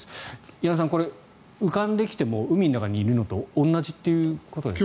矢野さん、これ浮かんできても海の中にいるのと同じということですね。